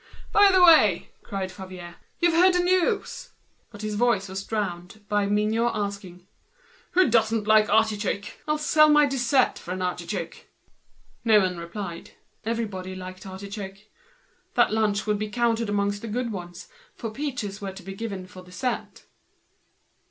"By the way," cried out Favier, "you've heard the news?" But his voice was drowned. Mignot was asking: "Who doesn't like artichoke, I'll sell my dessert for an artichoke." No one replied. Everybody liked artichoke. This lunch would be counted amongst the good ones, for peaches were to be given for dessert.